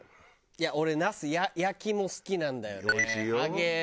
いや俺ナス焼きも好きなんだよね。